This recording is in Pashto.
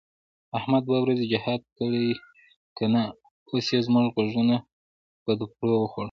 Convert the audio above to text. احمد دوه ورځې جهاد کړی که نه، اوس یې زموږ غوږونه په دوپړو وخوړل.